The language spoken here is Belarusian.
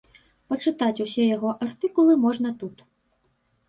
Пачытаць усе яго артыкулы можна тут.